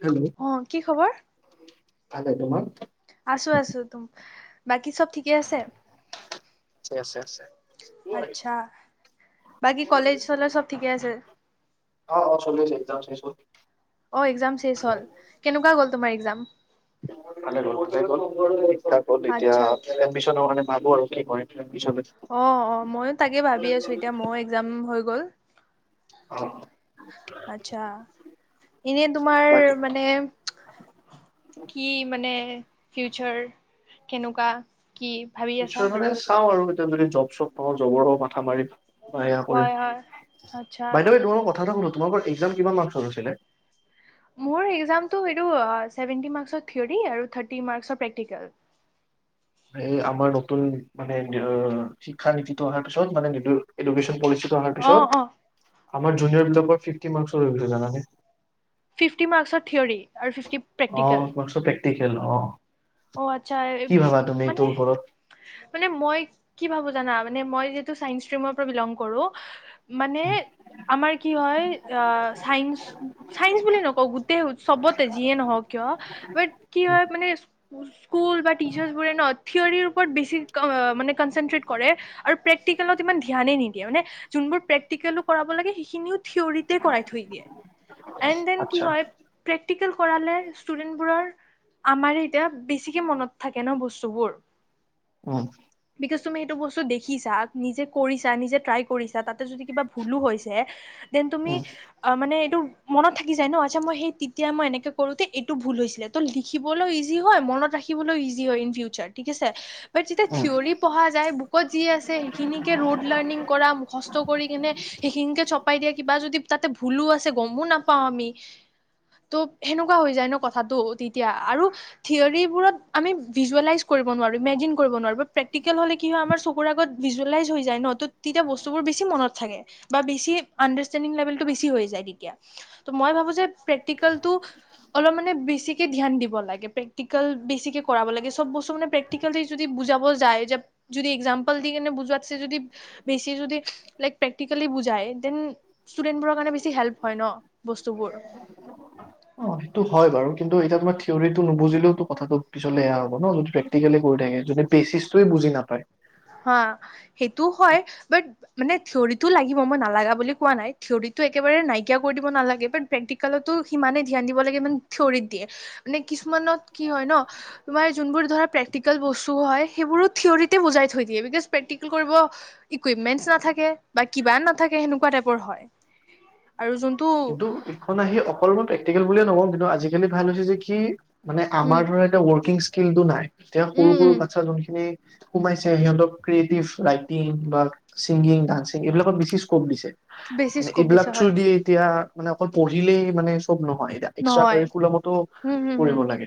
Hello অ কি খবৰ ভালে তোমাৰ আছো আছো তোম বাকী চব ঠিকে আছে আছে আছে আছে আচ্ছা বাকী কলেজ চলেজ চব ঠিকে আছে অ অ চলি আছে একজাম চেচ হল অ এক্সজাম চেচ হল কেনেকুৱা গ'ল তোমাৰ এক্সজাম ভালে গল ঠিকে গল ঠিক থাক হল এতিয়া আচ্ছা আচ্ছা এডমিশ্যন কাৰণে ভাবো আৰু কি কৰিম পিছলে অ অ মইয়ো তাকে ভাবি আছো এতিয়া মইয়ো এক্সজাম হৈ গ'ল অ আচ্ছা এনে তোমাৰ বাকী মানে কি মানে ফিউচাৰ কেনেকুৱা কি ভাবি আছা ফিউচাৰ আৰু মানে চাওঁ আৰু এতিয়া যদি জব চব পাওঁ জবৰ মাথা মাৰিম ট্টায়া হয় কৰিম হয় আচ্ছা বাইদেউ তোমাক মই কথা এটা সুধো তোমালোকৰ এক্সজাম কিমান মাৰ্কচৰ হৈছিলে মোৰ এক্সাজামটো এইটো ছেভেন্টি মাৰ্কচৰ থিয়ৰী আৰু থাৰ্টি মাৰ্কচৰ প্ৰেক্টিকেল এই আমাৰ নতুন মানে অ শিক্ষা, নীতিতো অহাৰ পিছত মানে এডুকেচন, পলিচি ত অ পিছত অ আমাৰ জুনিয়ৰ বিলাকৰ ফিফটি মাৰ্কচৰ হল জানানে। ফিফটি মাৰ্কচৰ থিয়ৰী আৰু ফিফটি প্ৰেক্টিকেল। পেকতিকেল অ অ আচ্ছা এ কি বি ভাবা তুমি মানে এইটোৰ ওপৰত মান মই কি ভাবো জানা মানে মই যিহেতু চাইন্স, ষ্টিমৰ পৰা বিলং কৰো। মানে আমাৰ কি হয় আ চাইন্স। চাইন্স বুলি নকওঁ গোটেই চবতে যিয়ে নহওক কিয় বাট কি হয় মানে স্কুল বা টিচাৰ্চবোৰে ন থিয়ৰীৰ ওপৰত বেছি মানে কনচেনট্ৰেট কৰে। আৰু প্ৰেক্টিকেলত ইমান ধ্যানে নিদিয়ে মানে যোনবোৰ প্ৰেক্টিকেলো কৰাব লাগে সেইখিনিও থিয়ৰিতে কৰাই থৈ দিয়ে এণ্ড দেন কি আচ্ছা হয়। প্ৰেক্টিকেল কৰালে ষ্টুডেন্টবোৰৰ আমাৰে ইয়াত বেছিকে মনত থাকে ন বস্তুবোৰ। উম' বিকজ তুমি সেইটো বস্তু দেখিছা নিজে কৰিছা নিজে ট্ৰাই কৰিছা তাত তে যদি কিবা ভুলো হৈছে দেন তুমি উম, আৰু মানে এইটো মনত থাকি যায় ন আচ্ছা মই সেই তেতিয়া মই এনেকে কৰোতে এইটো ভুল হৈছিলে ত' লিখিবলৈ ইজি ইজি হয় মনত ৰাখিবলৈও ইজি হয় ইন ফিউচাৰ থিক আছে বাট যেতিয়া উম। থিয়ৰি। পঢ়া যায় বুকত, যি আছে সেইখিনিকে ৰোড লাৰ্ণিং কৰা মুখষ্ট কৰি কেনে সেইখিনিকে চপাই দিয়া কিবা যদি তাতে ভুলো আছে গমো নাপাওঁ আমি। ত' সেনেকুৱা হৈ যায় ন কথাটো তেতিয়া আৰু থিয়ৰীবোৰত আমি ভিজুৱেলাইজ, কৰিব নোৱাৰোঁ ইমেজিন কৰিব নোৱাৰোঁ বাট প্ৰেক্টিকেল হ'লে কি হয় আমাৰ চকুৰ আগত ভিজুৱেলাইজ হৈ যায় ন ত তেতিয়া বস্তু বোৰ বেছি মনত থাকে। বা বেছি আণ্ডাৰষ্টেণ্ডিং লেভেলটো বেছি হৈ যায় তেতিয়া ত মই ভাবো যে প্ৰেক্টিকেলটো অলপ মানে বেছিকে ধ্যান দিব লাগে প্ৰেক ক্টিকেল বেছিকে কৰাব লাগে সব বস্তু মানে প্ৰেক্টিকেল দি যদি বুজাব যায় যে যদি একজাম্পল দি কেনে বুজুৱাত চে যদি বেছি যদি লাইক প্ৰেক্টিকেলি বুজাই ডেন। ষ্টুডেন্টবোৰৰ কাৰণে বেছি হেল্প হয় ন বস্তুবোৰ। অ সেইটো হয় বাৰু কিন্তু এতিয়া তোমাৰ থিয়ৰিটো নুবুজিলেওটো কথাটো পিছলৈ এয়া হ'ব ন যদি প্ৰেক ক্টিকেলি কৰি থাকে যদি বেচিছটোৱে বুজি নাপায়। হা, সেইটো হয়, বাট মানে, থিয়ৰিটো লাগিব। মই নালাগা বুলি কোৱা নাই, থিয়ৰিতটো একেবাৰে নাইকিয়া কৰি দিব নালাগে বাট প্ৰেক্টিকেলতো সিমানে ধ্যান দিব লাগে। ইমান থিয়ৰিত দিয়ে, মানে কিছুমানত কি হয়, ন? তোমাৰ যোনবোৰ ধৰা প্ৰেক্টিকেল বস্তু হয়, সেইবোৰো থিয়ৰতে বুজাই। থৈ দিয়ে, বিকজ প্ৰেক্টিকেল কৰিব। ইকুইপমেনছ নাথাকে বা কিবা নাথাকে, সেনেকুৱা টাইপৰ হয় আৰু যোন। কিন্তু এইখন আহি অকলমান প্ৰেক্টিকেল বুলিয়ে নকওঁ, কিন্তু আজিকালি ভাল হৈছে যে কি মানে আমাৰ উম ধৰা এতিয়া ৱৰ্কিং, স্কিলটো নাই, এতিয়া উম সৰু সৰু উম বাচ্ছা যোনখিনি। সোমাইছে, সিহঁতক ক্ৰিয়েটিভ ৰাইটিং বা ছিংগিং, ডান্সিং, এইবিলাকত বেছি স্কপ দিছে, বেছি মানে, স্কোপ এইবিলাক দিছে থ্ৰু হয় দিযে। এতিয়া মানে, অকল পঢ়িলেই মানে চব নহয়, এতিয়া। এক্সট্ৰা নহয় কাৰিকুলামতো হম হম কৰিব হম লাগে,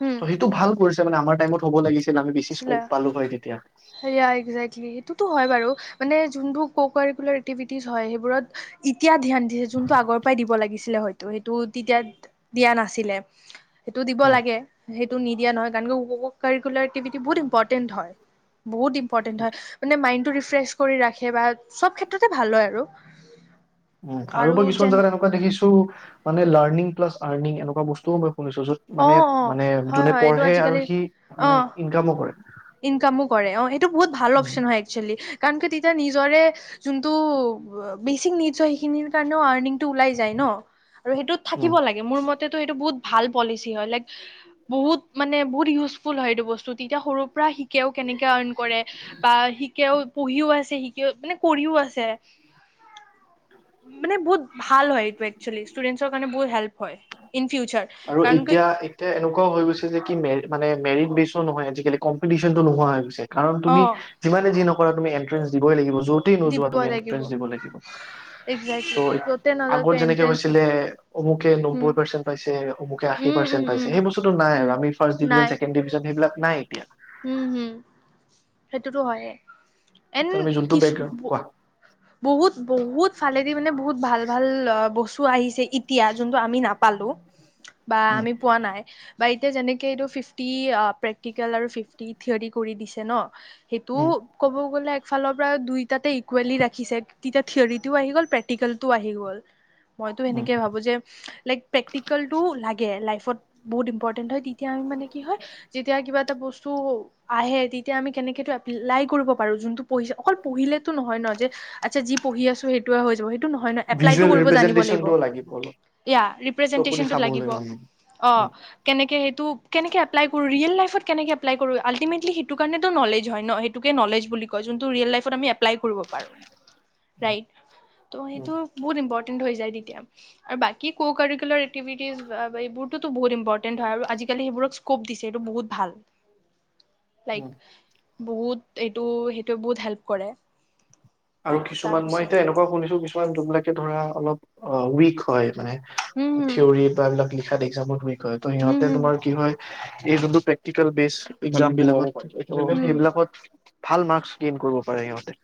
হম ত', সেইটো ভাল কৰিছে মানে, আমাৰ টাইমত হ'ব লাগি। আমি বেছি আছিলে স্কপ পালো হয় তেতিয়া। সেয়া একজেক্টলি, সেইটোতো হয় বাৰু। মানে যোনবিলাক এক্টিভিটি হয়, সেইবোৰত এতিয়া ধ্যান। যিহেতু যোনটো আগৰ পৰাই দিব লাগিছিলে, হয়তো সেইটো তেতিয়া দিয়া নাছিলে। সেইটো দিব উম, লাগে, সেইটো নিদিয়া নহয়, কাৰণ ক কাৰুকুলৰ এক্টিভিটি বহুত ইম্পৰ্টেণ্ট হয়। বহুত ইম্পৰ্টেণ্ট হয়, মানে মাইণ্ড টো ৰিফ্ৰেছ কৰি ৰাখে বা সব ক্ষেত্ৰতে ভাল হয় আৰু। উম, আৰু তো কিছুমান জেগাত এনেকুৱা দেখিছোঁ। মানে, লাৰ্ণিং প্লাছ আৰ্ণিং এনেকুৱা বস্তুও মই শুনিছোঁ, য'ত অ মানে, অ মানে, হয় যোনে হয় এইটো পঢ়ে আজিকালি আৰু সি অ মানে ইনকামো কৰে। ইনকামো কৰে, অ', এইটো বহুত ভাল উম, অপচন হয় একচুৱেলি কাৰণ তেতিয়া নিজৰে যোনটো বেচিক নিডছ হয়, সেইখিনিৰ কাৰণেও আৰ্নিংটো ওলাই যায় ন! আৰু সেইটোত উম, থাকিব লাগে, মোৰ মতেতো সেইটো বহুত ভাল পলিচি হয়, লাইক বহুত মানে বহুত ইউজফুল হয় এইটো বস্তু, তেতিয়া সৰুৰ পৰা শিকেও, কেনেকে আৰ্ণ কৰে। বা শিকেও, পঢ়িও আছে, শিকি মানে, কৰিও আছে। উম' [inaudible] মানে বহুত ভাল হয় এইটো একচুৱেলি, ষ্টুডেন্টছৰ কাৰণে বহুত হেল্প হয়, ইন ফিউচাৰ। আৰু কাৰণ কি এতিয়া এতিয়া এনেকুৱা গৈছে যে কি, মে মানে মেৰিট বেচো নহয়, আজিকালি কম্পিটিচ্যনটো নোহোৱা হৈ গৈছে। কাৰণ অ তুমি যিমানে যি নকৰা তুমি এন্ট্ৰেন্ঞ্চ দিবই লাগিব, য'ত যতেই দিব নোযোৱা তুমি লাগিব এনট্ৰেঞ্চ দিব লাগিব। একজেক্টলি চ' য'তে নাযাওক আগত কিয় যেনেকে এন্ট্ৰেন্স হৈছিলে, অমুকে নব্বৈ হম পাৰ্চেন্ট পাইছিল। যে অমুকে আশী উম পাৰ্চেট উম পাইছে, উম সেই বস্তুটো নাই আৰু উম আমি ফাৰ্ষ্ট ডিভিজন, নাই ছেকেণ্ড ডিভিজন, সেইবিলাক নাই এতিয়া। উম' উম' সেইটোতো হয়েই, এণ্ড তাৰ আমি যোনটো কিছু বেকগ্ৰাউণ্ড কোৱা বহুত, বহুত ফালেদি মানে, বহুত ভাল, ভাল বস্তু আহিছে, এতিয়া যোনটো আমি নাপালোঁ। বা উম। আমি পোৱা নাই। বা এতিয়া যেনেকে, এইটো ফিফটি প্ৰেক্টিকেল আৰু ফিফটি থিয়ৰী কৰি দিছে ন! সেইটো উম, ক'ব গ'লে, একফালৰ পৰা দুইটাতে ইকুৱেলি ৰাখে। ছে, তেতিয়া থিয়ৰিটোও আহি গ'ল, প্ৰেক্টিকেলটোও আহি গ'ল, মইতো উম, সেনেকে ভাবোঁ যে, লাইক প্ৰেক্টিকেলটো লাগে, লাইফত বহুত ইম্পৰ্টেণ্ট হয়, তেতিয়া আমি মানে কি হয় যেতিয়া কিবা এটা বস্তু আহে, তেতিয়া আমি কেনেকে এইটো এপ্লাই কৰিব পাৰোঁ, যোনটো পঢ়িছে, অকল পঢ়িলেতো নহয় ন যে আচ্ছা, যি পঢ়ি আছোঁ, সেইটোৱে হৈ যাব। সেইটো নহয় ন, এপ্লাইটো ভিজুৱেল কৰিব জানিব লাগিব, ৰিপ্ৰেজেন্টেচনটোও অলপ এতিয়া চকু দি ৰেপ্ৰেজেণ্টেচনটো চাব লাগিব। আমি। অ'। উম, কেনেকে সেইটো কেনেকে এপ্লাই কৰোঁ, ৰিয়েল লাইফত কেনেকে এপ্লাই কৰোঁ, আল্টিমেটলি সেইটো কাৰণে টো নলেজ হয় ন! সেই সেইটোকে নলেজ বুলি কয়, যোনটো ৰিয়েল লাইফত আমি এপ্লাই কৰিব পাৰোঁ। ৰাইট, ত' উম, সেইটো বহুত ইম্পৰ্টেন্ট হৈ যায় তেতিয়া। আৰু বাকী ক' কাৰিকুলাৰ এক্টিভিটিজ বা এইবোৰতো বহুত ইম্পৰ্টেন্ট হয় আৰু আজিকালি সেইবোৰ স্কপ দিছে, এইটো বহুত ভাল। [unintelligible] লাইক বহুত এইটো সেইটো বহুত হেল্প কৰে। আৰু কিছুমান মই তাৰপিছত এতিয়া এনেকুৱা শুনিছোঁ কিছুমান যোনবিলাকে ধৰা অলপ অ' উইক হয় মানে হম হম থিয়ৰৰি বা এইবিলাক লিখাত এক্সামত উইক হয় ত হম সিহঁতে হম তোমাক কি হয় এই যোনবোৰ প্ৰেক্টিকেল প্ৰেছ, এক্সাম বিলাক হম সেইবিলাকত ভাল মাৰ্কচ গেইন কৰিব পাৰে সিহঁতে।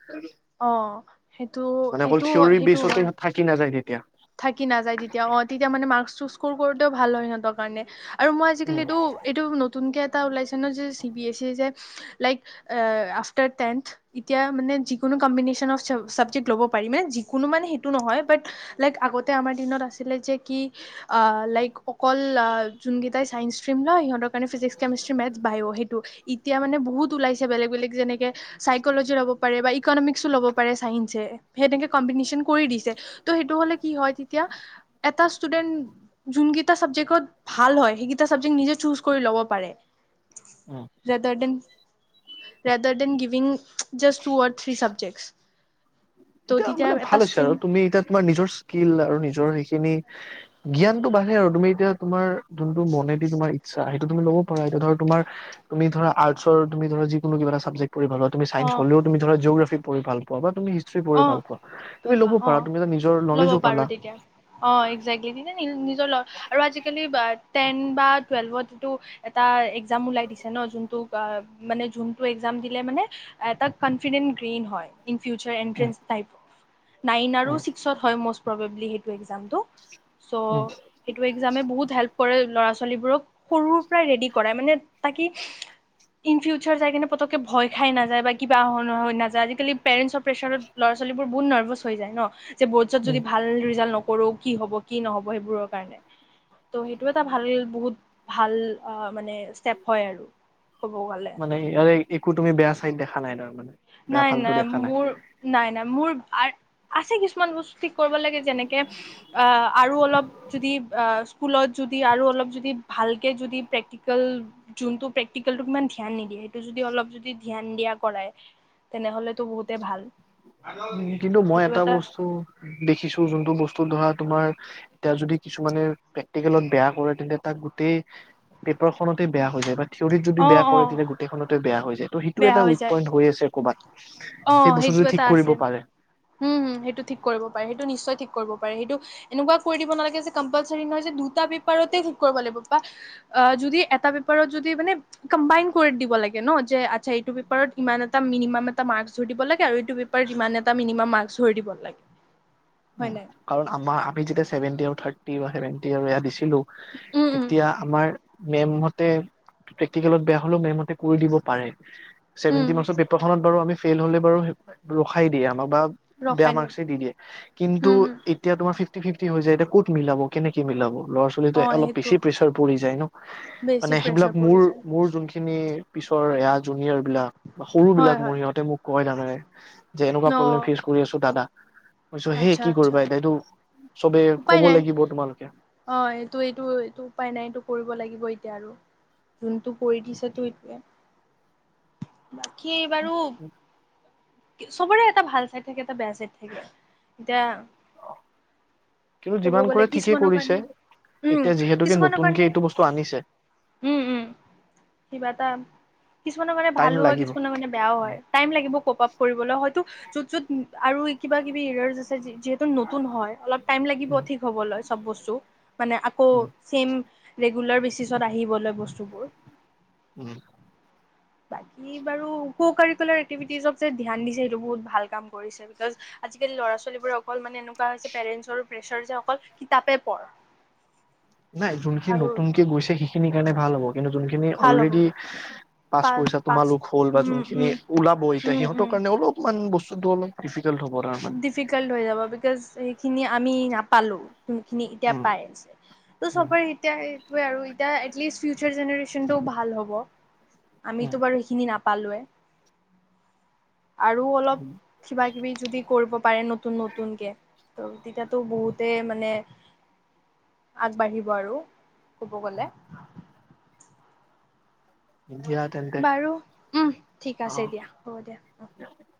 অ' সেইটো, মানে অকল সেইটো, থিয়ৰী সেইটো বেচতে হয়। সিহঁত থাকি নাযায় তেতিয়া থাকি নাযায় তেতিয়া অ' তেতিয়া মানে মাৰ্কটো স্কৰ কৰোঁতেও ভাল হয় সিহঁতৰ কাৰণে আৰু মই আজিকালি উম, এইটো এইটো নতুনকৈ এটা ওলাইছে ন যে চি বি এছ ই যে লাইক আফটাৰ টেন্থ এতিয়া মানে যিকোনো কম্বিনেশ্যন অফ চ-চাবজেক্ট ল'ব পাৰিমে যিকোনো মানে সেইটো নহয় বাত লাইক আগতে আমাৰ দিনত আছিলে যে কি অ' লাইক অকল অ' যোন কেইটাই চাইন্স ষ্টিম ন' সিহঁতক কাৰণে ফিজিক্স, কেমেষ্ট্ৰ, মেথছত, বায়ো সেইটো, এতিয়া মানে বহুত ওলাইছে বেলেগ বেলেগ যেনেকে চাইকলজি ল'ব পাৰে বা ইকনমিক্সো ল'ব পাৰে চাইন্সে। [unintelligible] কম্পিটিচন কৰি দিছে, ত' সেইটো হ'লে কি হয় তেতিয়া এটা ষ্টুডেন্ট যোনকেইটা চাবজেক্টত ভাল হয়, সেইকেইটা চাবজেক্ট নিজে চুজ কৰি ল'ব পাৰে। অ'। Rather than, rather than giving just two or three subjects. এতিয়া মানে ভাল হৈছে আৰু তুমি এতিয়া তোমাৰ নিজৰ স্কিল আৰু নিজৰ সেইখিনি জ্ঞানটো বাঢ়ে আৰু তুমি এতিয়া তোমাৰ যোনটো মনেদি তোমাৰ ইচ্ছা সেইটো তুমি ল'ব পাৰা এতিয়া ধৰ তোমাৰ তুমি ধৰা আৰ্টছৰ তুমি ধৰা যিকোনো কিবা এটা ছাব্জেক পঢ়ি [unintelligible] তুমি চাইন্স অ' হ'লেও তুমি ধৰা জিঅগ্ৰাফী পঢ়ি ভাল পোৱা বা তুমি [inaudible] পৰি অ' ভাল পোৱা তুমি ভবা ল'ব অ' পাৰা তুমি যে নিজৰ ল'ব নলেজো পাৰো পালা। তেতিয়া অ' এক্সেক্টলি [unintelligible] নিজৰ আৰু আজিকালি টেন বা টুৱেলভতটো এটা এক্সাম উওলাই দিছে ন' যোনটো অ' মানে যোনটো এক্সাম দিলে মানে এটা কনফিডেন গ্ৰীন হয়, ইন ফিউাৰ [inaudible] উম টাইপ, নাইন আৰু উম ছিক্সত হয় মষ্ট প্ৰবেবলি সেইটো এক্সামটো। চ' উম সেইটো এক্সামে বহুত হেল্প কৰে ল'ৰা ছোৱালীবোৰক সৰুৰ পৰাই ৰেডি কৰাই মানে তাকি ইন ফিউচাৰ যাই কিনে পতকে ভয় খাই নাযায় বা কিবা হৈ নহয় নাযায় আজিকালি পেৰেণ্টছৰ প্ৰেছাৰত ল'ৰা ছোৱালীবোৰ বহুত নাৰ্ভাচ হৈ যায় ন' যে বৰ্ডছত উম যদি ভাল ৰিজাল্ট নকৰো কি হ'ব কি নহ'ব সেইবোৰৰ কাৰণে। ত' সেইটো এটা ভাল বহুত ভাল অ' মানে ষ্টেপ হয় আৰু। ক'ব গ'লে। মানে ইয়াৰে একো তুমি বেয়া চাইড দেখা নাই তাৰ মানে। বেয়া নাই ফালটো নাই দেখা মোৰ নাই নাই মোৰ আ-আছে কিছুমান বস্তু ঠিক কৰিব লাগে যেনেকে অ' আৰু অলপ যদি অ' স্কুলত যদি আৰু অলপ ভালকে যদি প্ৰেক্টিকেল যোনটো প্ৰেক্টিকেলটোক ইমান ধ্যান নিদিয়ে, সেইটো যদি অলপ যদি ধ্যান দিয়া কৰাই। তেনেহ'লেতো বহুতেই ভাল। উম, কিন্তু মই এটা বস্তু দেখিছোঁ যোনটো বস্তু ধৰা তোমাৰ এতিয়া যদি কিছুমানে প্ৰেক্টিকেলত বেয়া কৰে তেন্তে তাক গোটেই পেপাৰখনতে বেয়া হৈ যায় বা থিয়ৰিত যদি অ বেয়া অ কৰে তেতিয়া গোটেইখনতে বেয়া হৈ যায় ত' সেইটো বেয়া এটা হৈ উইক যায় পইণ্ট হৈ আছে ক'ৰবাত। সেই অ' বস্তুটো সেইটো যদি ঠিক এটা কৰিব আছে, পাৰে হম, হম, সেইটো ঠিক কৰিব পাৰে, সেইটো নিশ্চয় ঠিক কৰিব পাৰে সেইটো এনেকুৱা কৰি দিব নালাগে যে কম্পালচৰি নহয় যে দুটা পেপাৰতে ঠিক কৰিব লাগিব বা অ' যদি এটা পেপাৰত যদি মানে কম্বাইন কৰি দিব লাগে ন' যে আচ্ছা এইটো পেপাৰত ইমান এটা মিনিমাম এটা মাৰ্ক ধৰি দিব লাগে আৰু এইটো পেপাৰ ইমান এটা মিনিমাম মাস্ক ধৰি দিব লাগে। উম, হয় নাই কাৰণ আমাৰ আমি যেতিয়া চেভেনটি থাৰ্টি বা চেভেনটি এ দিছিলোঁ, উম উম তেতিয়া আমাৰ মেমহঁতে, প্ৰেক্টিকেলত বেয়া হ'লেও মেমহঁতে কৰি দিব পাৰে। উম চেভেনটি মাস্কৰ পেপাৰখনত বাৰু আমি ফেইল হ'লে বাৰু ৰখাই দিয়ে আমাক বা বেয়া ৰখাই দিম মাৰ্কচে দি দিয়ে, কিন্তু উম হম এতিয়া তোমাৰ ফিফটি ফিফটি হৈ যায়, এতিয়া কত মিলাব কেনেকে মিলাব? লৰা ছোৱালি অ এতিয়া অলপ সেইটো বেছিয়ে প্ৰেচাৰ পৰি যায় ন, বেছি মানে সেইবিলাক প্ৰেছাৰ পৰি মোৰ যায় মোৰ যোনখি খিনি পিছৰ এয়া জুনিয়ৰ বিলাক বা সৰু হয় বিলাক মোৰ হয় সিহঁতে মোক কয় তাৰ মানে। যে এনেকুৱা প্ৰব্লেম অ ফেচ কৰি আছো দাদা। মই কৈছোঁ সেই আচ্ছা কি আচ্ছা কৰিবা এতিয়াতো এইটো চবে কব লাগিব তোমালোকে? অঁ এইটো এইটো এইটো উপায় নাই, এইটো কৰিব লাগিব এতিয়া আৰু। যোনটো কৰি দিছে তো এতিয়া, বাকী বাৰু চবৰে এটা ভাল চাইড থাকে, এটা বেয়া চাইড থাকে। এতিয়া কিন্তু ক'ব যিমান গ'লে কৰে ঠিকেই কিছুমানৰ কৰিছে কাৰণে উম, এতিয়া যিহেতুকে কিছুমান নতুনকে কাৰণে এইটো বস্তু আনিছে উম উম। কিবা এটা কিছুমানৰ কাৰণে টাইম ভালো হয়, লাগিব কিছুমানৰ কাৰণে বেয়াও হয়। টাইম লাগিব ক পা ফুৰিবলে হয়টো যত যত আৰু কিবা কিবি যিহেতু নতুন হয়, অলপ টাইম লাগিব উম, ঠিক হবলৈ চব বস্তু, মানে আকৌ উম, চেম ৰেগুলাৰ বেচিছত আহিবলে বস্তুবোৰ। উম। বাকী বাৰু কু কাৰিকলাৰ এক্টিভিটিক যে ধিয়ান দিছে, সেইটো বহুত ভাল কাম কৰিছে। বিকজ, আজিকালি ল'ৰা ছোৱালীবোৰে অকল মানে এনেকুৱা হৈছে, পেৰেন্টছৰো প্ৰেছাৰ যে অকল কিতাপে পঢ়। নাই যোনখিনি আৰু নতুনকে গৈছে, সেইখিনিৰ কাৰণে ভাল হ'ব, কিন্তু যোনখিনি ভাল হ'ব অলৰেডি পা পাচ কৰিছা, পাছ তোমালোক হ'ল বা উম যোনখিনি উম ওলাব এতিয়া উম সিহঁতৰ উম কাৰণে অলপ মান বস্তুতটো অলপ ডিফিকাল্ট হ'ব তাৰ মানে। কেল হৈ যাব, বিকছ সেই খিনি আমি নাপালোঁ। খিনি এতিয়া উম পাই আছে, ত' উম চবৰে এতিয়া সেইটোৱে আৰু এতিয়া এটলিষ্ট ফিউচাৰ জেনেৰেশ্যনটোও ভাল হ'ব। উম আমিতো বাৰু সেইখিনি নাপালোৱে, আৰু অলপ কিবা কিবি যদি কৰিব পাৰে নতুন নতুনকে, ত' তিতিয়াটো বহুতে মানে আগবাঢ়িব আৰু ক'ব গলে। [inaudible] বাৰু উম, ঠিক আছে অ দিয়া হ'ব দিয়া। [inaudible]